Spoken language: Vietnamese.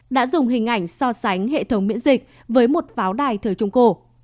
đã dùng hình ảnh so sánh hệ thống miễn dịch với một pháo đài thời trung cổ